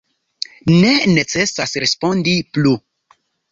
Ne necesas respondi plu!